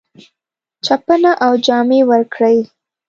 چپنه او جامې ورکړې.